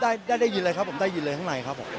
ได้ยินเลยครับได้ยินเลยครับผมได้ยินเลยข้างในครับผม